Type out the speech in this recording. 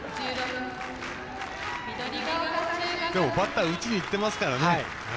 でもバッターが打ちにいってますからね。